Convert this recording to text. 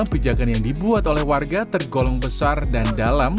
pijakan yang dibuat oleh warga tergolong besar dan dalam